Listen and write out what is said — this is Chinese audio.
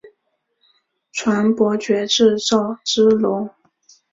传伯爵至赵之龙。